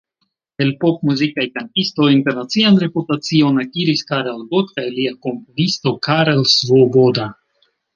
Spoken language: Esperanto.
El pop-muzikaj kantistoj internacian reputacion akiris Karel Gott kaj lia komponisto Karel Svoboda.